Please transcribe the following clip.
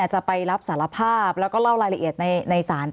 จะไปรับสารภาพแล้วก็เล่ารายละเอียดในศาล